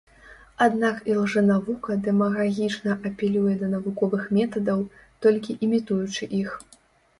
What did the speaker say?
Аднак ілжэнавука дэмагагічна апелюе да навуковых метадаў, толькі імітуючы іх.